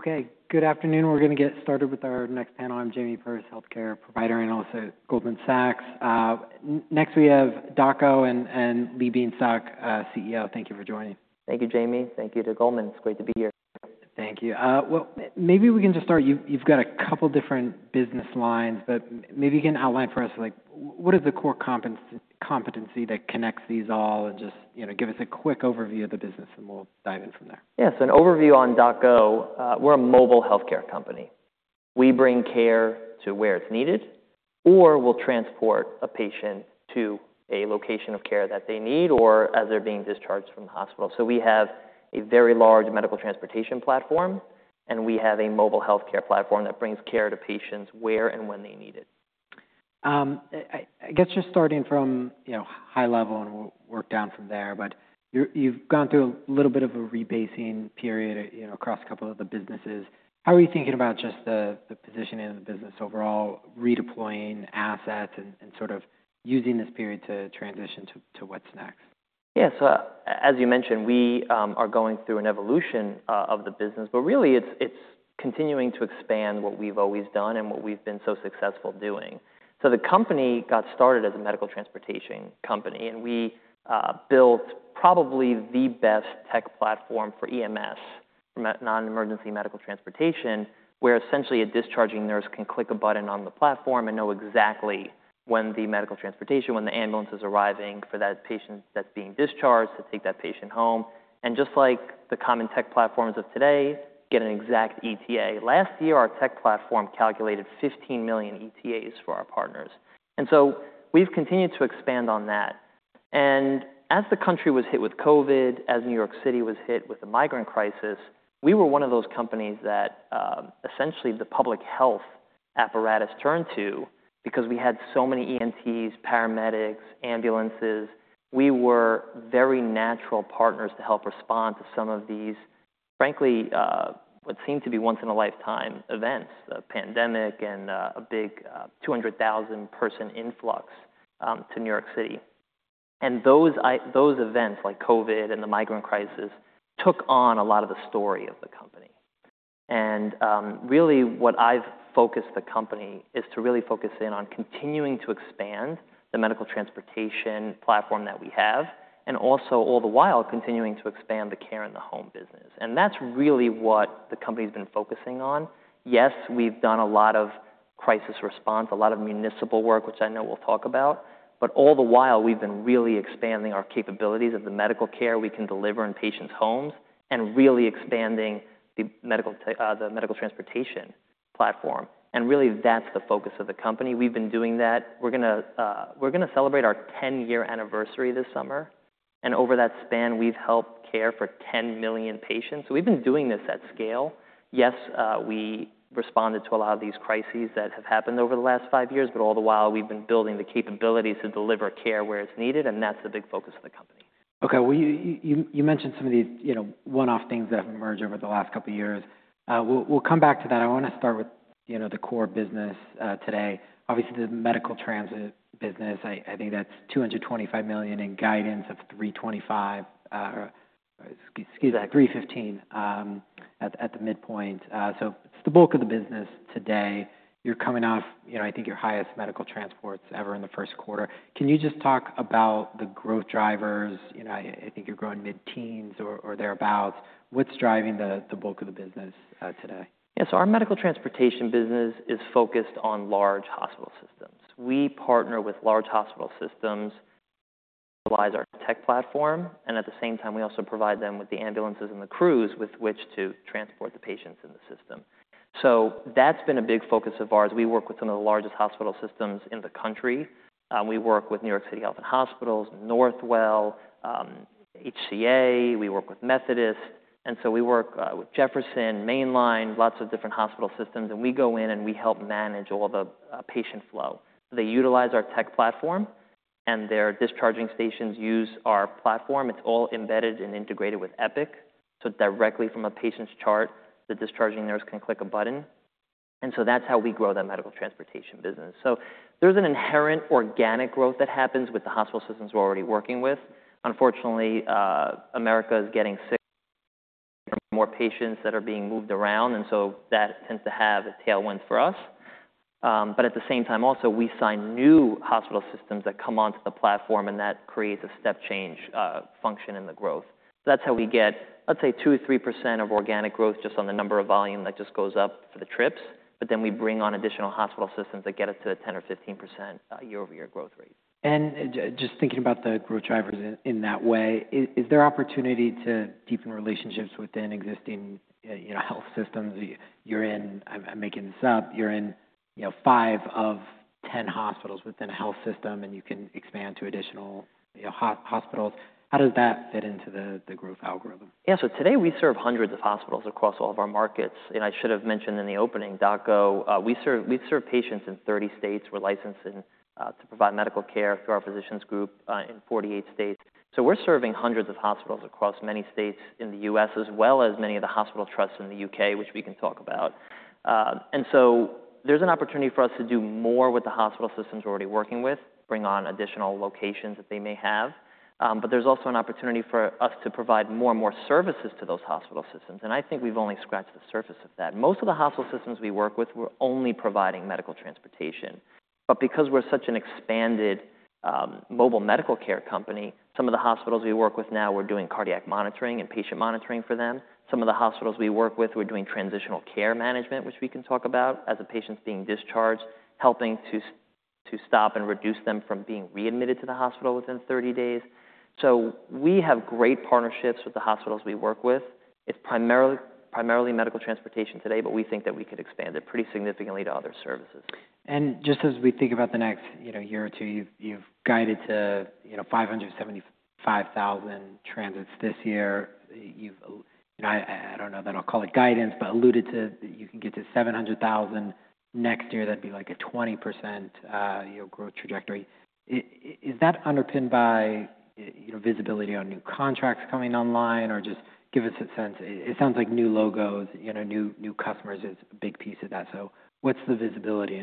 Okay. Good afternoon. We're going to get started with our next panel. I'm Jamie Perez, healthcare provider and also Goldman Sachs. Next, we have DocGo and Lee Bienstock, CEO. Thank you for joining. Thank you, Jamie. Thank you to Goldman. It's great to be here. Thank you. Maybe we can just start. You've got a couple of different business lines, but maybe you can outline for us what is the core competency that connects these all and just give us a quick overview of the business, and we'll dive in from there. Yes. An overview on DocGo. We're a mobile healthcare company. We bring care to where it's needed, or we'll transport a patient to a location of care that they need or as they're being discharged from the hospital. We have a very large medical transportation platform, and we have a mobile healthcare platform that brings care to patients where and when they need it. I guess just starting from high level and work down from there, but you've gone through a little bit of a rebasing period across a couple of the businesses. How are you thinking about just the positioning of the business overall, redeploying assets and sort of using this period to transition to what's next? Yes. As you mentioned, we are going through an evolution of the business, but really it's continuing to expand what we've always done and what we've been so successful doing. The company got started as a medical transportation company, and we built probably the best tech platform for EMS, non-emergency medical transportation, where essentially a discharging nurse can click a button on the platform and know exactly when the medical transportation, when the ambulance is arriving for that patient that's being discharged, to take that patient home. Just like the common tech platforms of today, get an exact ETA. Last year, our tech platform calculated 15 million ETAs for our partners. We have continued to expand on that. As the country was hit with COVID, as New York City was hit with the migrant crisis, we were one of those companies that essentially the public health apparatus turned to because we had so many EMTs, paramedics, ambulances. We were very natural partners to help respond to some of these, frankly, what seemed to be once in a lifetime events, the pandemic and a big 200,000 person influx to New York City. Those events, like COVID and the migrant crisis, took on a lot of the story of the company. What I have focused the company on is to really focus in on continuing to expand the medical transportation platform that we have, and also all the while continuing to expand the care in the home business. That is really what the company has been focusing on. Yes, we've done a lot of crisis response, a lot of municipal work, which I know we'll talk about, but all the while we've been really expanding our capabilities of the medical care we can deliver in patients' homes and really expanding the medical transportation platform. That is the focus of the company. We've been doing that. We're going to celebrate our 10-year anniversary this summer. Over that span, we've helped care for 10 million patients. We've been doing this at scale. Yes, we responded to a lot of these crises that have happened over the last five years, but all the while we've been building the capabilities to deliver care where it's needed, and that's the big focus of the company. Okay. You mentioned some of these one-off things that have emerged over the last couple of years. We'll come back to that. I want to start with the core business today. Obviously, the medical transit business, I think that's $225 million in guidance of $325 million, excuse me, $315 million at the midpoint. So it's the bulk of the business today. You're coming off, I think, your highest medical transports ever in the first quarter. Can you just talk about the growth drivers? I think you're growing mid-teens or thereabouts. What's driving the bulk of the business today? Yes. Our medical transportation business is focused on large hospital systems. We partner with large hospital systems, utilize our tech platform, and at the same time, we also provide them with the ambulances and the crews with which to transport the patients in the system. That's been a big focus of ours. We work with some of the largest hospital systems in the country. We work with New York City Health Hospitals, Northwell, HCA. We work with Methodist. We work with Jefferson, Mainline, lots of different hospital systems, and we go in and we help manage all the patient flow. They utilize our tech platform, and their discharging stations use our platform. It's all embedded and integrated with Epic. Directly from a patient's chart, the discharging nurse can click a button. That's how we grow that medical transportation business. There is an inherent organic growth that happens with the hospital systems we are already working with. Unfortunately, America is getting sick, more patients are being moved around, and that tends to have tailwinds for us. At the same time, also, we sign new hospital systems that come onto the platform, and that creates a step change function in the growth. That is how we get, let's say, 2%-3% of organic growth just on the number of volume that just goes up for the trips, but then we bring on additional hospital systems that get us to the 10%-15% year-over-year growth rate. Just thinking about the growth drivers in that way, is there opportunity to deepen relationships within existing health systems? You're in, I'm making this up, you're in five of 10 hospitals within a health system, and you can expand to additional hospitals. How does that fit into the growth algorithm? Yes. Today we serve hundreds of hospitals across all of our markets. I should have mentioned in the opening, DocGo, we serve patients in 30 states. We're licensed to provide medical care through our physicians group in 48 states. We're serving hundreds of hospitals across many states in the U.S., as well as many of the hospital trusts in the U.K., which we can talk about. There's an opportunity for us to do more with the hospital systems we're already working with, bring on additional locations that they may have, but there's also an opportunity for us to provide more and more services to those hospital systems. I think we've only scratched the surface of that. Most of the hospital systems we work with, we're only providing medical transportation. Because we're such an expanded mobile medical care company, some of the hospitals we work with now, we're doing cardiac monitoring and patient monitoring for them. Some of the hospitals we work with, we're doing transitional care management, which we can talk about as the patients being discharged, helping to stop and reduce them from being readmitted to the hospital within 30 days. We have great partnerships with the hospitals we work with. It's primarily medical transportation today, but we think that we could expand it pretty significantly to other services. Just as we think about the next year or two, you've guided to 575,000 transits this year. I don't know that I'll call it guidance, but alluded to that you can get to 700,000 next year. That'd be like a 20% growth trajectory. Is that underpinned by visibility on new contracts coming online or just give us a sense? It sounds like new logos, new customers is a big piece of that. What's the visibility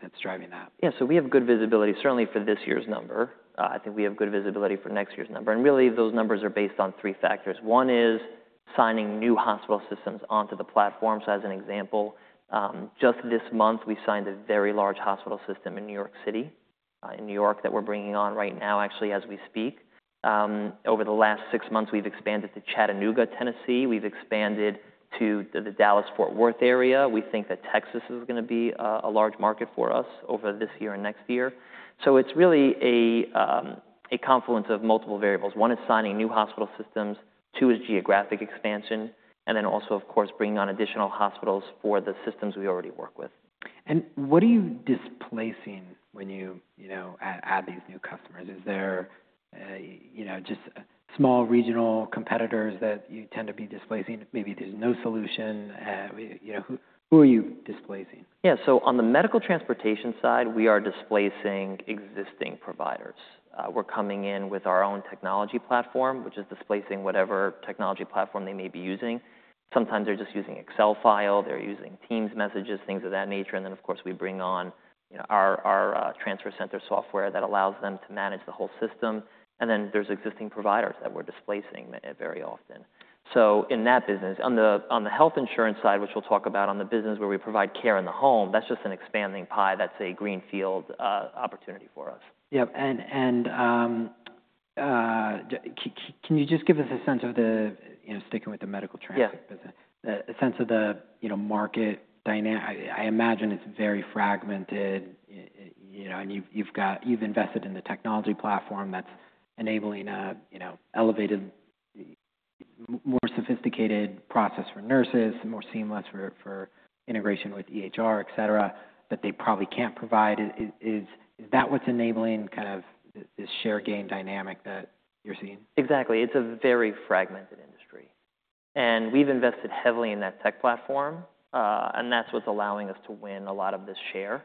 that's driving that? Yes. So we have good visibility, certainly for this year's number. I think we have good visibility for next year's number. And really those numbers are based on three factors. One is signing new hospital systems onto the platform. So as an example, just this month, we signed a very large hospital system in New York City, in New York, that we're bringing on right now, actually, as we speak. Over the last six months, we've expanded to Chattanooga, Tennessee. We've expanded to the Dallas-Fort Worth area. We think that Texas is going to be a large market for us over this year and next year. So it's really a confluence of multiple variables. One is signing new hospital systems. Two is geographic expansion. And then also, of course, bringing on additional hospitals for the systems we already work with. What are you displacing when you add these new customers? Is there just small regional competitors that you tend to be displacing? Maybe there's no solution. Who are you displacing? Yes. On the medical transportation side, we are displacing existing providers. We're coming in with our own technology platform, which is displacing whatever technology platform they may be using. Sometimes they're just using Excel file. They're using Teams messages, things of that nature. Of course, we bring on our transfer center software that allows them to manage the whole system. There are existing providers that we're displacing very often. In that business, on the health insurance side, which we'll talk about, on the business where we provide care in the home, that's just an expanding pie. That's a greenfield opportunity for us. Yep. And can you just give us a sense of the, sticking with the medical transit business, a sense of the market dynamic? I imagine it's very fragmented, and you've invested in the technology platform that's enabling an elevated, more sophisticated process for nurses, more seamless for integration with EHR, etc., that they probably can't provide. Is that what's enabling kind of this share gain dynamic that you're seeing? Exactly. It's a very fragmented industry. We've invested heavily in that tech platform, and that's what's allowing us to win a lot of this share.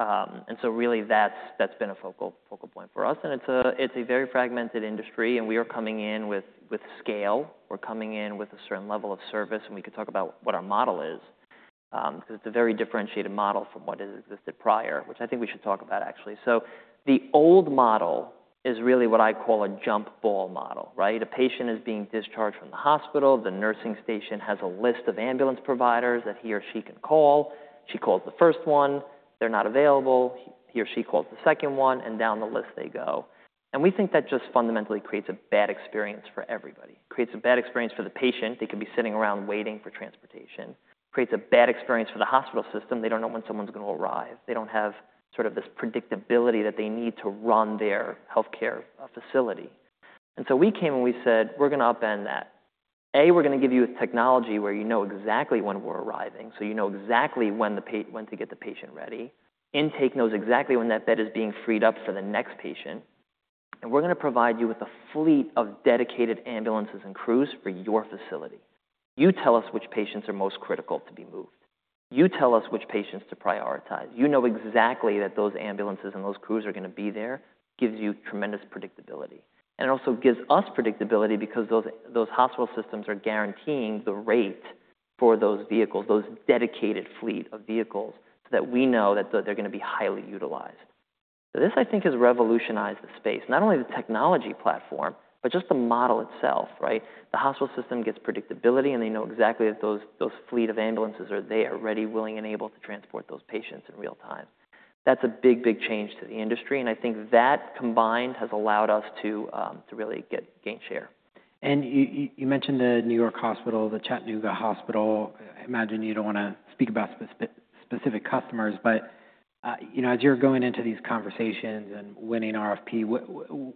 That has been a focal point for us. It's a very fragmented industry, and we are coming in with scale. We're coming in with a certain level of service, and we could talk about what our model is because it's a very differentiated model from what has existed prior, which I think we should talk about, actually. The old model is really what I call a jump ball model, right? A patient is being discharged from the hospital. The nursing station has a list of ambulance providers that he or she can call. She calls the first one. They're not available. He or she calls the second one, and down the list they go. We think that just fundamentally creates a bad experience for everybody. It creates a bad experience for the patient. They could be sitting around waiting for transportation. It creates a bad experience for the hospital system. They do not know when someone's going to arrive. They do not have sort of this predictability that they need to run their healthcare facility. We came and we said, We're going to upend that. A, we're going to give you a technology where you know exactly when we're arriving, so you know exactly when to get the patient ready. Intake knows exactly when that bed is being freed up for the next patient. We're going to provide you with a fleet of dedicated ambulances and crews for your facility. You tell us which patients are most critical to be moved. You tell us which patients to prioritize. You know exactly that those ambulances and those crews are going to be there. It gives you tremendous predictability. It also gives us predictability because those hospital systems are guaranteeing the rate for those vehicles, those dedicated fleet of vehicles, so that we know that they're going to be highly utilized. This, I think, has revolutionized the space, not only the technology platform, but just the model itself, right? The hospital system gets predictability, and they know exactly that those fleet of ambulances are there, ready, willing, and able to transport those patients in real time. That's a big, big change to the industry. I think that combined has allowed us to really gain share. You mentioned the New York Hospital, the Chattanooga Hospital. I imagine you do not want to speak about specific customers, but as you are going into these conversations and winning RFP,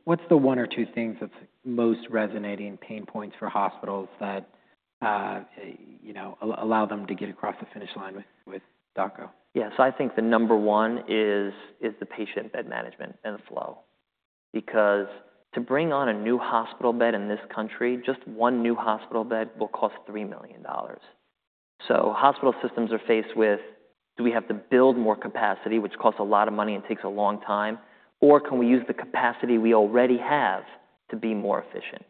what is the one or two things that is most resonating pain points for hospitals that allow them to get across the finish line with DocGo? Yes. I think the number one is the patient bed management and the flow because to bring on a new hospital bed in this country, just one new hospital bed will cost $3 million. Hospital systems are faced with, do we have to build more capacity, which costs a lot of money and takes a long time, or can we use the capacity we already have to be more efficient?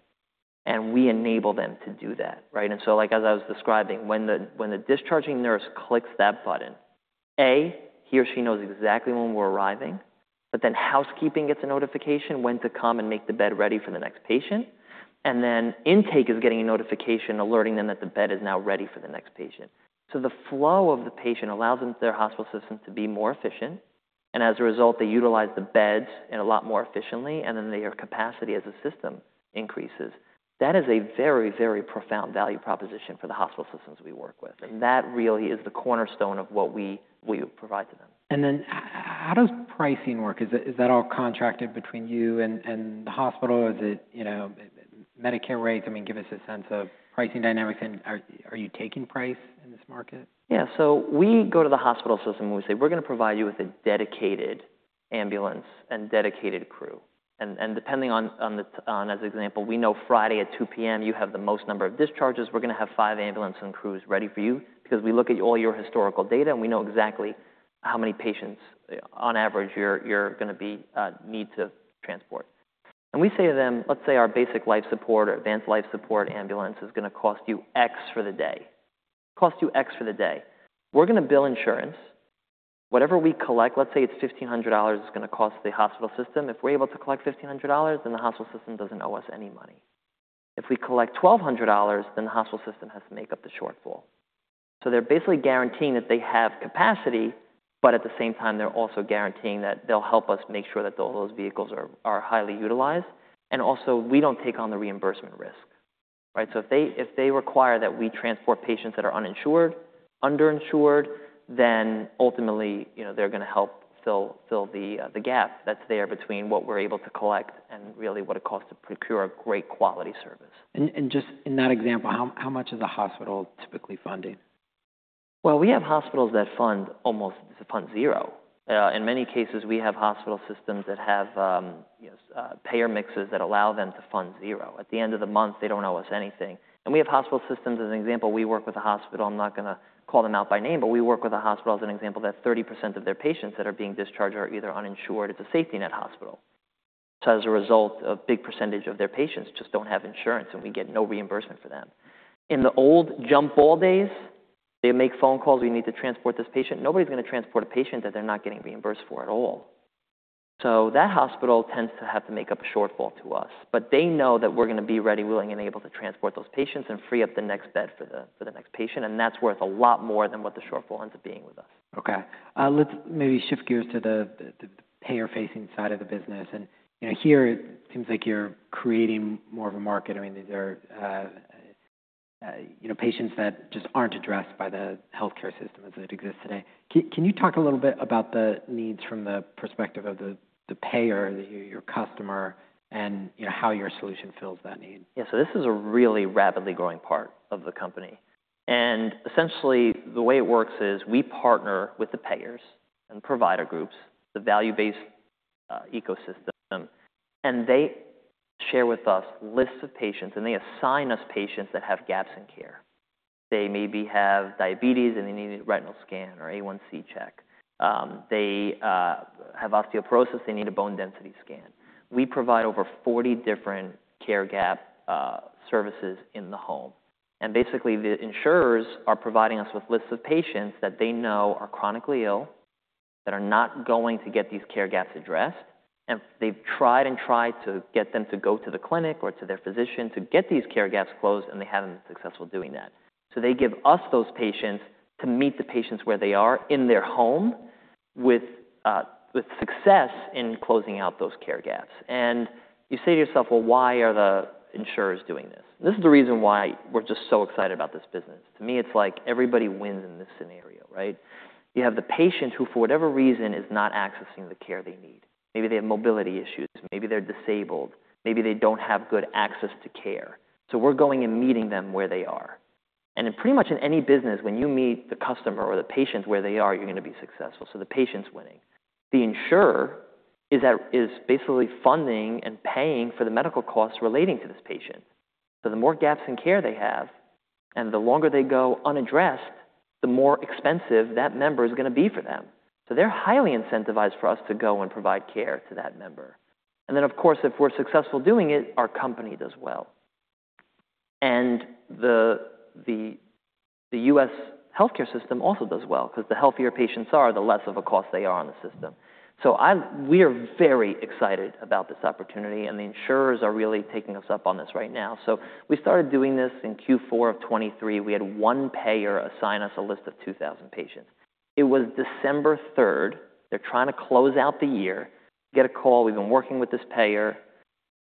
We enable them to do that, right? As I was describing, when the discharging nurse clicks that button, A, he or she knows exactly when we're arriving, but then housekeeping gets a notification when to come and make the bed ready for the next patient. Intake is getting a notification alerting them that the bed is now ready for the next patient. The flow of the patient allows their hospital system to be more efficient. As a result, they utilize the beds a lot more efficiently, and then their capacity as a system increases. That is a very, very profound value proposition for the hospital systems we work with. That really is the cornerstone of what we provide to them. How does pricing work? Is that all contracted between you and the hospital? Is it Medicare rates? I mean, give us a sense of pricing dynamics. Are you taking price in this market? Yes. We go to the hospital system and we say, "We're going to provide you with a dedicated ambulance and dedicated crew." Depending on, as an example, we know Friday at 2:00 P.M., you have the most number of discharges. We're going to have five ambulances and crews ready for you because we look at all your historical data, and we know exactly how many patients, on average, you're going to need to transport. We say to them, let's say our basic life support or advanced life support ambulance is going to cost you X for the day. It costs you X for the day. We're going to bill insurance. Whatever we collect, let's say it's $1,500, it's going to cost the hospital system. If we're able to collect $1,500, then the hospital system doesn't owe us any money. If we collect $1,200, then the hospital system has to make up the shortfall. They are basically guaranteeing that they have capacity, but at the same time, they are also guaranteeing that they will help us make sure that all those vehicles are highly utilized. Also, we do not take on the reimbursement risk, right? If they require that we transport patients that are uninsured, underinsured, then ultimately, they are going to help fill the gap that is there between what we are able to collect and really what it costs to procure a great quality service. Just in that example, how much is a hospital typically funding? We have hospitals that fund almost, fund zero. In many cases, we have hospital systems that have payer mixes that allow them to fund zero. At the end of the month, they do not owe us anything. We have hospital systems, as an example, we work with a hospital. I am not going to call them out by name, but we work with a hospital, as an example, that 30% of their patients that are being discharged are either uninsured. It is a safety net hospital. As a result, a big percentage of their patients just do not have insurance, and we get no reimbursement for them. In the old jump ball days, they make phone calls. We need to transport this patient. Nobody is going to transport a patient that they are not getting reimbursed for at all. That hospital tends to have to make up a shortfall to us, but they know that we're going to be ready, willing, and able to transport those patients and free up the next bed for the next patient. That's worth a lot more than what the shortfall ends up being with us. Okay. Let's maybe shift gears to the payer-facing side of the business. Here, it seems like you're creating more of a market. I mean, these are patients that just aren't addressed by the healthcare system as it exists today. Can you talk a little bit about the needs from the perspective of the payer, your customer, and how your solution fills that need? Yes. This is a really rapidly growing part of the company. Essentially, the way it works is we partner with the payers and provider groups, the value-based ecosystem, and they share with us lists of patients, and they assign us patients that have gaps in care. They maybe have diabetes, and they need a retinal scan or A1C check. They have osteoporosis. They need a bone density scan. We provide over 40 different care gap services in the home. Basically, the insurers are providing us with lists of patients that they know are chronically ill, that are not going to get these care gaps addressed. They have tried and tried to get them to go to the clinic or to their physician to get these care gaps closed, and they have not been successful doing that. They give us those patients to meet the patients where they are in their home with success in closing out those care gaps. You say to yourself, "Why are the insurers doing this?" This is the reason why we're just so excited about this business. To me, it's like everybody wins in this scenario, right? You have the patient who, for whatever reason, is not accessing the care they need. Maybe they have mobility issues. Maybe they're disabled. Maybe they don't have good access to care. We're going and meeting them where they are. In pretty much any business, when you meet the customer or the patient where they are, you're going to be successful. The patient's winning. The insurer is basically funding and paying for the medical costs relating to this patient. The more gaps in care they have, and the longer they go unaddressed, the more expensive that member is going to be for them. They're highly incentivized for us to go and provide care to that member. If we're successful doing it, our company does well. And the U.S. healthcare system also does well because the healthier patients are, the less of a cost they are on the system. We are very excited about this opportunity, and the insurers are really taking us up on this right now. We started doing this in Q4 of 2023. We had one payer assign us a list of 2,000 patients. It was December 3rd. They're trying to close out the year. Get a call. We've been working with this payer,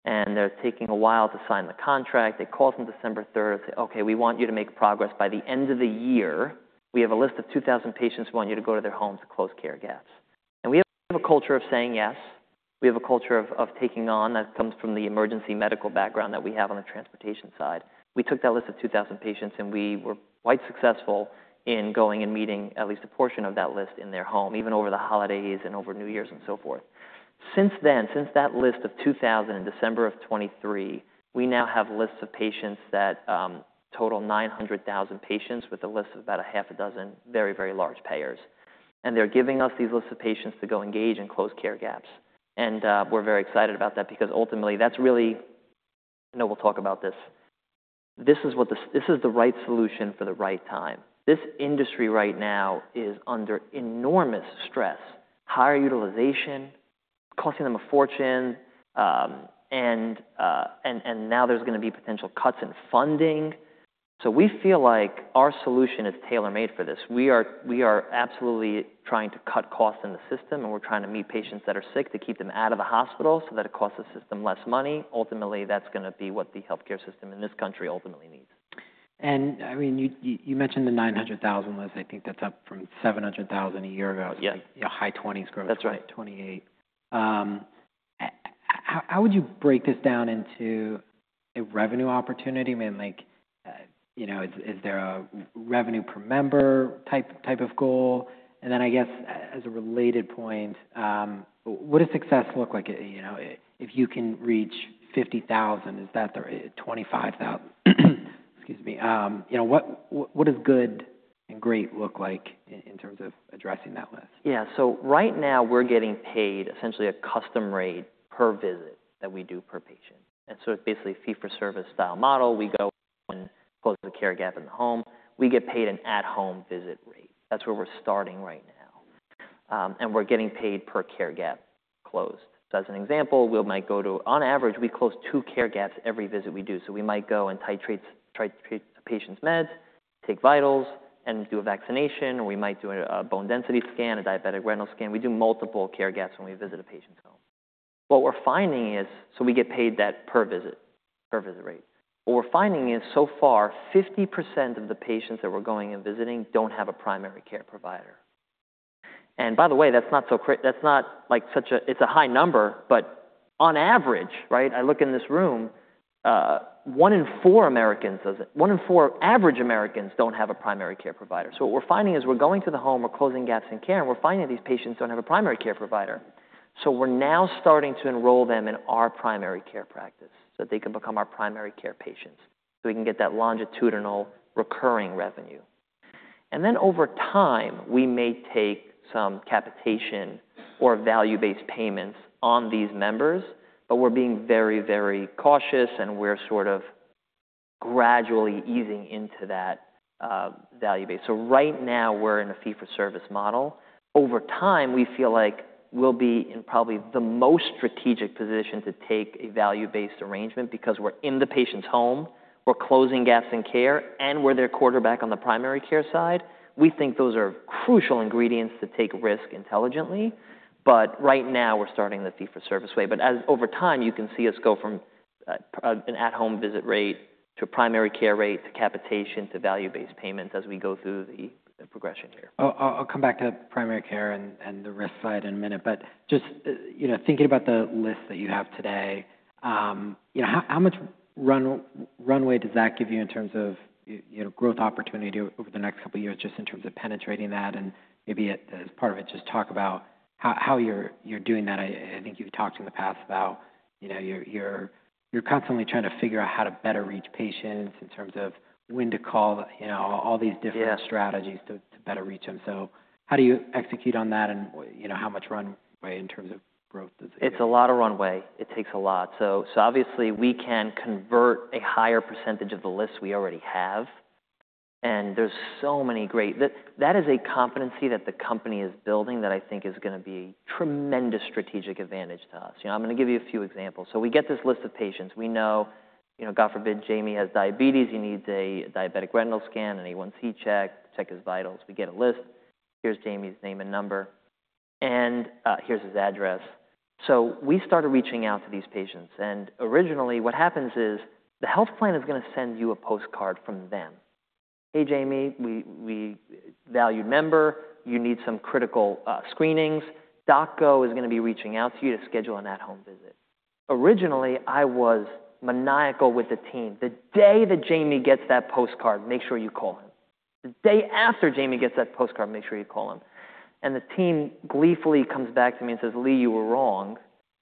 and they're taking a while to sign the contract. They call us on December 3rd and say, "Okay, we want you to make progress by the end of the year. We have a list of 2,000 patients. We want you to go to their homes to close care gaps." We have a culture of saying yes. We have a culture of taking on. That comes from the emergency medical background that we have on the transportation side. We took that list of 2,000 patients, and we were quite successful in going and meeting at least a portion of that list in their home, even over the holidays and over New Year's and so forth. Since then, since that list of 2,000 in December of 2023, we now have lists of patients that total 900,000 patients with a list of about a half a dozen very, very large payers. They're giving us these lists of patients to go engage and close care gaps. We're very excited about that because ultimately, that's really, I know we'll talk about this. This is the right solution for the right time. This industry right now is under enormous stress, higher utilization, costing them a fortune, and now there's going to be potential cuts in funding. We feel like our solution is tailor-made for this. We are absolutely trying to cut costs in the system, and we're trying to meet patients that are sick to keep them out of the hospital so that it costs the system less money. Ultimately, that's going to be what the healthcare system in this country ultimately needs. I mean, you mentioned the 900,000 list. I think that's up from 700,000 a year ago. It's a high 20s growth, 28%. That's right. How would you break this down into a revenue opportunity? I mean, is there a revenue per member type of goal? I mean, as a related point, what does success look like? If you can reach 50,000, is that 25,000? Excuse me. What does good and great look like in terms of addressing that list? Yeah. So right now, we're getting paid essentially a custom rate per visit that we do per patient. It's basically a fee-for-service style model. We go and close the care gap in the home. We get paid an at-home visit rate. That's where we're starting right now. We're getting paid per care gap closed. As an example, we might go to, on average, we close two care gaps every visit we do. We might go and titrate a patient's meds, take vitals, and do a vaccination, or we might do a bone density scan, a diabetic retinal scan. We do multiple care gaps when we visit a patient's home. What we're finding is, we get paid that per visit rate. What we're finding is, so far, 50% of the patients that we're going and visiting don't have a primary care provider. By the way, that's not like such a high number, but on average, right? I look in this room, one in four Americans, one in four average Americans do not have a primary care provider. What we're finding is we're going to the home, we're closing gaps in care, and we're finding these patients do not have a primary care provider. We are now starting to enroll them in our primary care practice so that they can become our primary care patients so we can get that longitudinal recurring revenue. Over time, we may take some capitation or value-based payments on these members, but we're being very, very cautious, and we're sort of gradually easing into that value-based. Right now, we're in a fee-for-service model. Over time, we feel like we'll be in probably the most strategic position to take a value-based arrangement because we're in the patient's home, we're closing gaps in care, and we're their quarterback on the primary care side. We think those are crucial ingredients to take risk intelligently. Right now, we're starting the fee-for-service way. Over time, you can see us go from an at-home visit rate to a primary care rate to capitation to value-based payments as we go through the progression here. I'll come back to primary care and the risk side in a minute. Just thinking about the list that you have today, how much runway does that give you in terms of growth opportunity over the next couple of years just in terms of penetrating that? Maybe as part of it, just talk about how you're doing that. I think you've talked in the past about you're constantly trying to figure out how to better reach patients in terms of when to call, all these different strategies to better reach them. How do you execute on that, and how much runway in terms of growth does it give you? It's a lot of runway. It takes a lot. Obviously, we can convert a higher percentage of the lists we already have. There are so many great—that is a competency that the company is building that I think is going to be a tremendous strategic advantage to us. I'm going to give you a few examples. We get this list of patients. We know, God forbid, Jamie has diabetes. He needs a diabetic retinal scan, an A1C check, check his vitals. We get a list. Here's Jamie's name and number. Here's his address. We started reaching out to these patients. Originally, what happens is the health plan is going to send you a postcard from them. "Hey, Jamie, valued member. You need some critical screenings. DocGo is going to be reaching out to you to schedule an at-home visit. Originally, I was maniacal with the team. The day that Jamie gets that postcard, make sure you call him. The day after Jamie gets that postcard, make sure you call him. The team gleefully comes back to me and says, "Lee, you were wrong.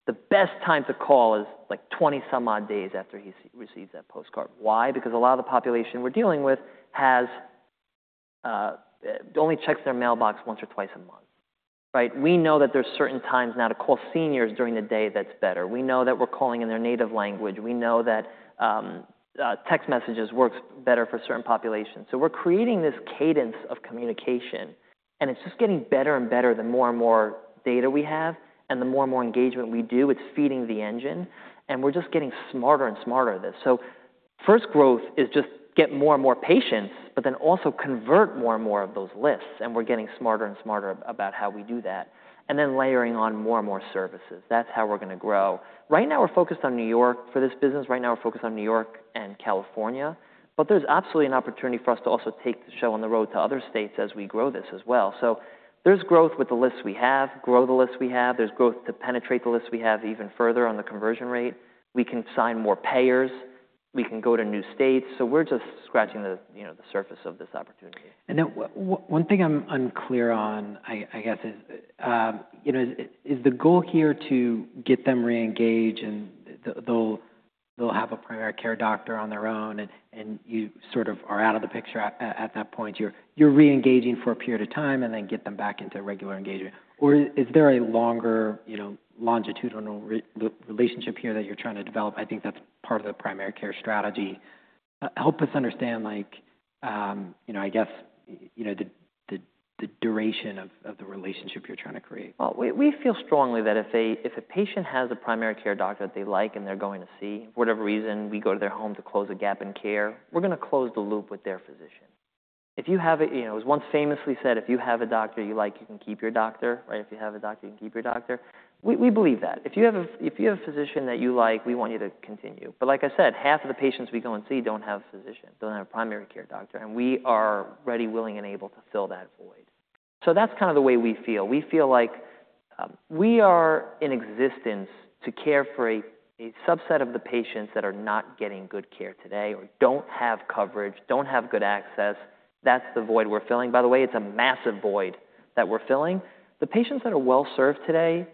The best time to call is like 20 some odd days after he receives that postcard." Why? Because a lot of the population we're dealing with only checks their mailbox once or twice a month, right? We know that there are certain times now to call seniors during the day that's better. We know that we're calling in their native language. We know that text messages work better for certain populations. We're creating this cadence of communication, and it's just getting better and better the more and more data we have and the more and more engagement we do. It's feeding the engine, and we're just getting smarter and smarter at this. First growth is just get more and more patients, but then also convert more and more of those lists. We're getting smarter and smarter about how we do that and then layering on more and more services. That's how we're going to grow. Right now, we're focused on New York for this business. Right now, we're focused on New York and California. There's absolutely an opportunity for us to also take the show on the road to other states as we grow this as well. There's growth with the lists we have, grow the lists we have. There's growth to penetrate the lists we have even further on the conversion rate. We can sign more payers. We can go to new states. We're just scratching the surface of this opportunity. One thing I'm unclear on, I guess, is the goal here to get them re-engaged and they'll have a primary care doctor on their own and you sort of are out of the picture at that point. You're re-engaging for a period of time and then get them back into regular engagement. Is there a longer longitudinal relationship here that you're trying to develop? I think that's part of the primary care strategy. Help us understand, I guess, the duration of the relationship you're trying to create. We feel strongly that if a patient has a primary care doctor that they like and they're going to see, for whatever reason, we go to their home to close a gap in care, we're going to close the loop with their physician. It was once famously said, "If you have a doctor you like, you can keep your doctor," right? "If you have a doctor, you can keep your doctor." We believe that. If you have a physician that you like, we want you to continue. Like I said, half of the patients we go and see don't have a physician, don't have a primary care doctor. We are ready, willing, and able to fill that void. That's kind of the way we feel. We feel like we are in existence to care for a subset of the patients that are not getting good care today or do not have coverage, do not have good access. That is the void we are filling. By the way, it is a massive void that we are filling. The patients that are well-served today,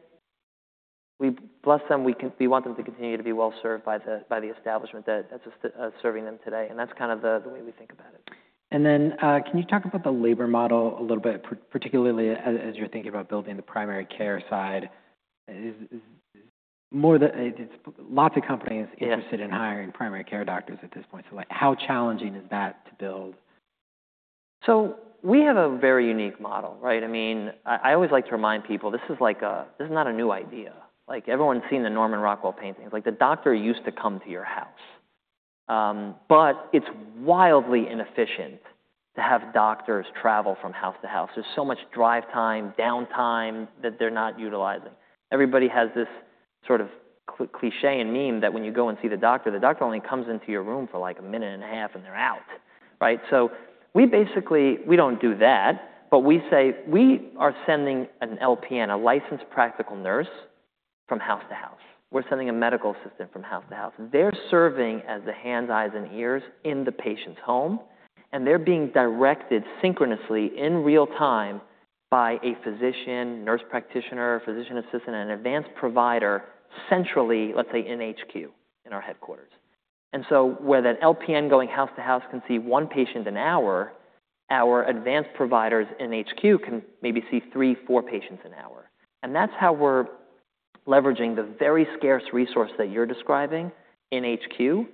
we bless them. We want them to continue to be well-served by the establishment that is serving them today. That is kind of the way we think about it. Can you talk about the labor model a little bit, particularly as you're thinking about building the primary care side? It's lots of companies interested in hiring primary care doctors at this point. How challenging is that to build? We have a very unique model, right? I mean, I always like to remind people this is not a new idea. Everyone's seen the Norman Rockwell paintings. The doctor used to come to your house. But it's wildly inefficient to have doctors travel from house to house. There's so much drive time, downtime that they're not utilizing. Everybody has this sort of cliché and meme that when you go and see the doctor, the doctor only comes into your room for like a minute and a half, and they're out, right? We basically don't do that, but we say we are sending an LPN, a licensed practical nurse from house to house. We're sending a medical assistant from house to house. They're serving as the hands, eyes, and ears in the patient's home, and they're being directed synchronously in real time by a physician, nurse practitioner, physician assistant, and advanced provider centrally, let's say, in HQ in our headquarters. Where that LPN going house to house can see one patient an hour, our advanced providers in HQ can maybe see three, four patients an hour. That's how we're leveraging the very scarce resource that you're describing in HQ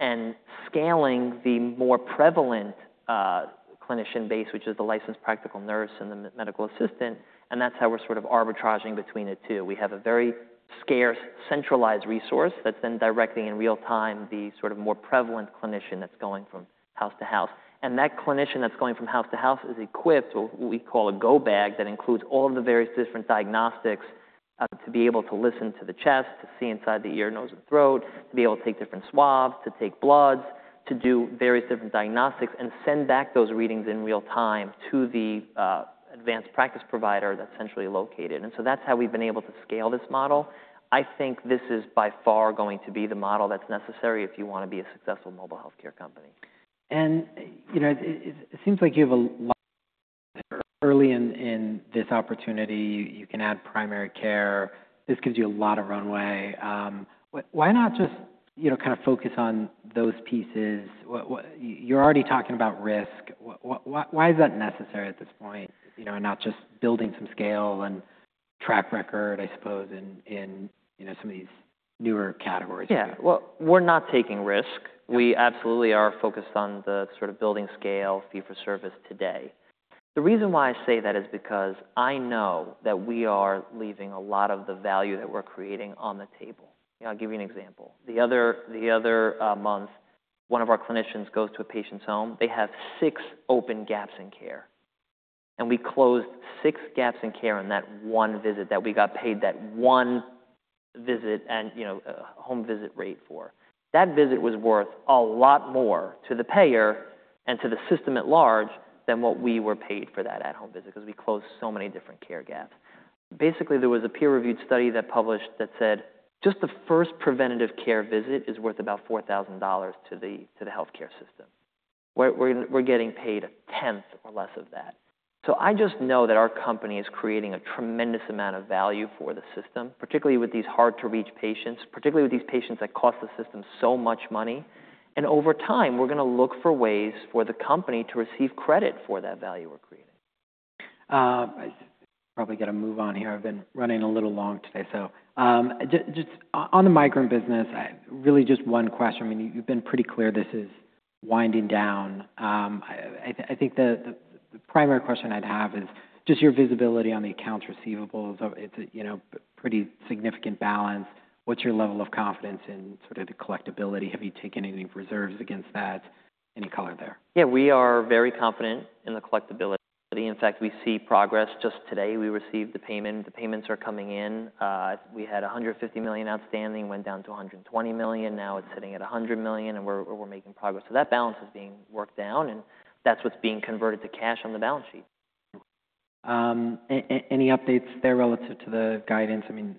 and scaling the more prevalent clinician base, which is the licensed practical nurse and the medical assistant. That's how we're sort of arbitraging between the two. We have a very scarce centralized resource that's then directing in real time the sort of more prevalent clinician that's going from house to house. That clinician that's going from house to house is equipped with what we call a go-bag that includes all of the various different diagnostics to be able to listen to the chest, to see inside the ear, nose, and throat, to be able to take different swabs, to take bloods, to do various different diagnostics, and send back those readings in real time to the advanced practice provider that's centrally located. That is how we've been able to scale this model. I think this is by far going to be the model that's necessary if you want to be a successful mobile healthcare company. It seems like you have a lot early in this opportunity. You can add primary care. This gives you a lot of runway. Why not just kind of focus on those pieces? You're already talking about risk. Why is that necessary at this point and not just building some scale and track record, I suppose, in some of these newer categories? Yeah. We're not taking risk. We absolutely are focused on the sort of building scale fee-for-service today. The reason why I say that is because I know that we are leaving a lot of the value that we're creating on the table. I'll give you an example. The other month, one of our clinicians goes to a patient's home. They have six open gaps in care. We closed six gaps in care in that one visit that we got paid that one visit and home visit rate for. That visit was worth a lot more to the payer and to the system at large than what we were paid for that at-home visit because we closed so many different care gaps. Basically, there was a peer-reviewed study that published that said just the first preventative care visit is worth about $4,000 to the healthcare system. We're getting paid a tenth or less of that. I just know that our company is creating a tremendous amount of value for the system, particularly with these hard-to-reach patients, particularly with these patients that cost the system so much money. Over time, we're going to look for ways for the company to receive credit for that value we're creating. I probably got to move on here. I've been running a little long today. Just on the migrant business, really just one question. I mean, you've been pretty clear this is winding down. I think the primary question I'd have is just your visibility on the accounts receivable. It's a pretty significant balance. What's your level of confidence in sort of the collectibility? Have you taken any reserves against that? Any color there? Yeah, we are very confident in the collectibility. In fact, we see progress. Just today, we received the payment. The payments are coming in. We had $150 million outstanding, went down to $120 million. Now it's sitting at $100 million, and we're making progress. That balance is being worked down, and that's what's being converted to cash on the balance sheet. Any updates there relative to the guidance? I mean,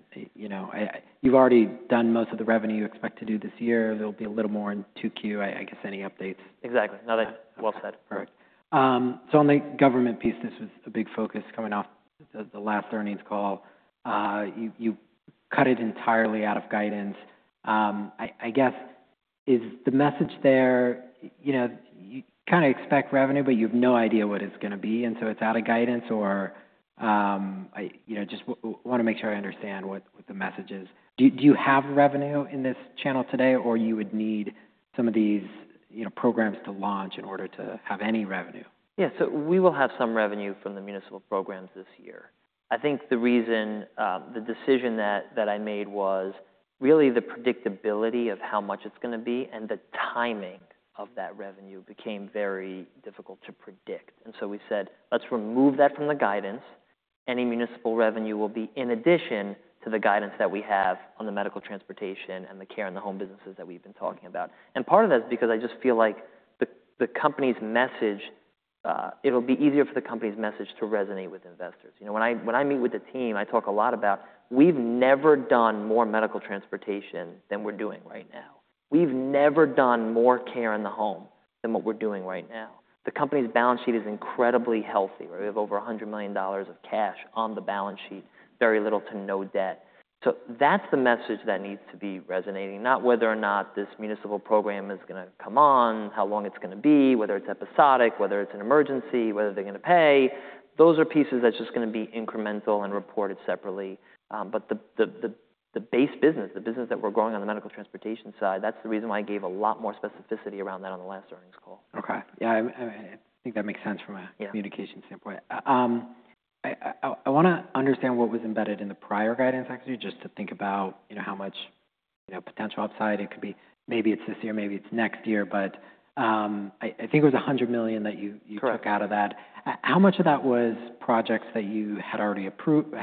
you've already done most of the revenue you expect to do this year. There'll be a little more in Q2. I guess any updates? Exactly. No, that's well said. Perfect. On the government piece, this was a big focus coming off the last earnings call. You cut it entirely out of guidance. I guess, is the message there you kind of expect revenue, but you have no idea what it's going to be, and so it's out of guidance? I just want to make sure I understand what the message is. Do you have revenue in this channel today, or you would need some of these programs to launch in order to have any revenue? Yeah, so we will have some revenue from the municipal programs this year. I think the reason, the decision that I made was really the predictability of how much it's going to be and the timing of that revenue became very difficult to predict. We said, "Let's remove that from the guidance. Any municipal revenue will be in addition to the guidance that we have on the medical transportation and the care and the home businesses that we've been talking about." Part of that is because I just feel like the company's message, it'll be easier for the company's message to resonate with investors. When I meet with the team, I talk a lot about, "We've never done more medical transportation than we're doing right now. We've never done more care in the home than what we're doing right now." The company's balance sheet is incredibly healthy. We have over $100 million of cash on the balance sheet, very little to no debt. That is the message that needs to be resonating, not whether or not this municipal program is going to come on, how long it is going to be, whether it is episodic, whether it is an emergency, whether they are going to pay. Those are pieces that are just going to be incremental and reported separately. The base business, the business that we are growing on the medical transportation side, that is the reason why I gave a lot more specificity around that on the last earnings call. Okay. Yeah, I think that makes sense from a communication standpoint. I want to understand what was embedded in the prior guidance, actually, just to think about how much potential upside it could be. Maybe it's this year. Maybe it's next year. I think it was $100 million that you took out of that. How much of that was projects that you had already approved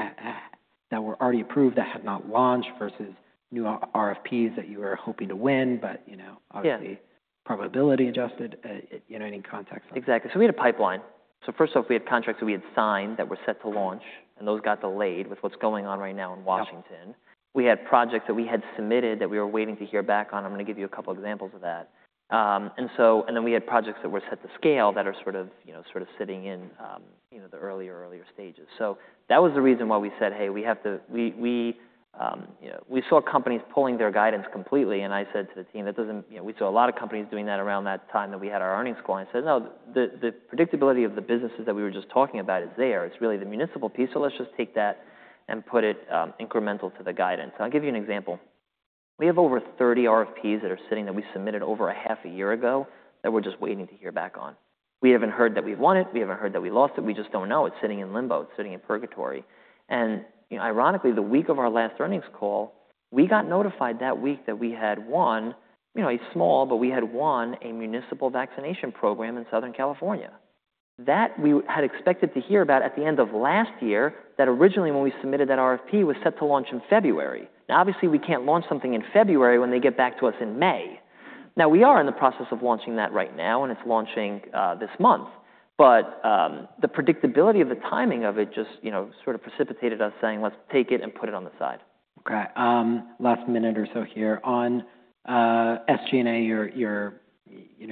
that had not launched versus new RFPs that you were hoping to win, but obviously probability adjusted? Any context on that? Exactly. We had a pipeline. First off, we had contracts that we had signed that were set to launch, and those got delayed with what is going on right now in Washington. We had projects that we had submitted that we were waiting to hear back on. I am going to give you a couple of examples of that. Then we had projects that were set to scale that are sort of sitting in the earlier, earlier stages. That was the reason why we said, "Hey, we have to." We saw companies pulling their guidance completely. I said to the team, "We saw a lot of companies doing that around that time that we had our earnings call." I said, "No, the predictability of the businesses that we were just talking about is there. It is really the municipal piece. Let's just take that and put it incremental to the guidance. I'll give you an example. We have over 30 RFPs that are sitting that we submitted over half a year ago that we're just waiting to hear back on. We haven't heard that we've won it. We haven't heard that we lost it. We just don't know. It's sitting in limbo. It's sitting in purgatory. Ironically, the week of our last earnings call, we got notified that week that we had won, a small, but we had won a municipal vaccination program in Southern California. That we had expected to hear about at the end of last year that originally when we submitted that RFP was set to launch in February. Now, obviously, we can't launch something in February when they get back to us in May. Now, we are in the process of launching that right now, and it's launching this month. The predictability of the timing of it just sort of precipitated us saying, "Let's take it and put it on the side". Okay. Last minute or so here. On SG&A, you're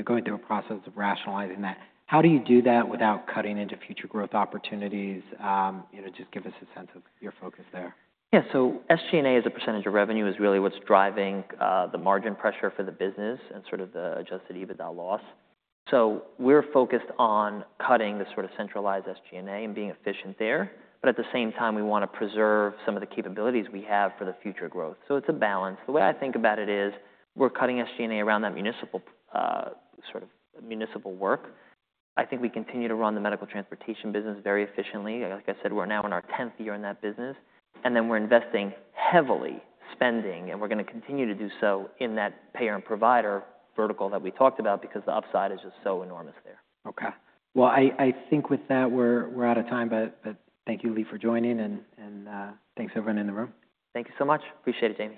going through a process of rationalizing that. How do you do that without cutting into future growth opportunities? Just give us a sense of your focus there. Yeah. SG&A as a percentage of revenue is really what's driving the margin pressure for the business and sort of the adjusted EBITDA loss. We're focused on cutting the sort of centralized SG&A and being efficient there. At the same time, we want to preserve some of the capabilities we have for the future growth. It's a balance. The way I think about it is we're cutting SG&A around that municipal sort of municipal work. I think we continue to run the medical transportation business very efficiently. Like I said, we're now in our 10th year in that business. We're investing heavily, spending, and we're going to continue to do so in that payer and provider vertical that we talked about because the upside is just so enormous there. Okay. I think with that, we're out of time. Thank you, Lee, for joining. And thanks everyone in the room. Thank you so much. Appreciate it, Jamie.